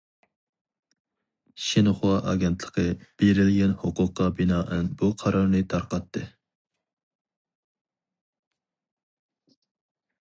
شىنخۇا ئاگېنتلىقى بېرىلگەن ھوقۇققا بىنائەن بۇ قارارنى تارقاتتى.